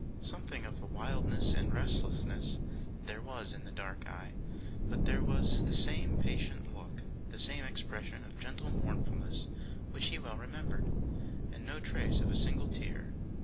Something of wildness and restlessness there was in the dark eye, but there was the same patient look, the same expression of gentle mournfulness which he well remembered, and no trace of a single tear.